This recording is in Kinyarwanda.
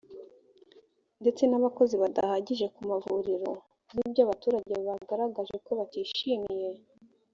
ndetse n abakozi badahagije ku mavuriro nibyo abaturage bagaragaje ko batishimiye